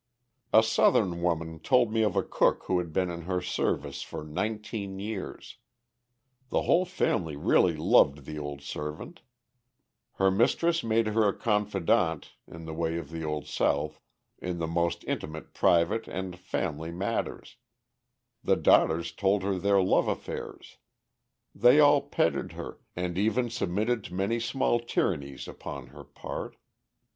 A Southern woman told me of a cook who had been in her service for nineteen years. The whole family really loved the old servant: her mistress made her a confidant, in the way of the old South, in the most intimate private and family matters, the daughters told her their love affairs; they all petted her and even submitted to many small tyrannies upon her part.